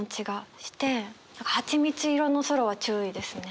ハチミツ色の空は注意ですね。